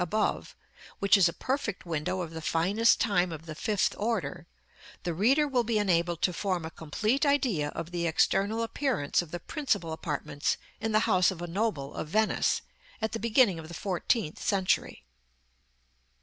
above, which is a perfect window of the finest time of the fifth order, the reader will be enabled to form a complete idea of the external appearance of the principal apartments in the house of a noble of Venice, at the beginning of the fourteenth century.